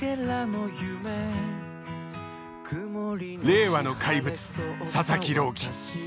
令和の怪物佐々木朗希。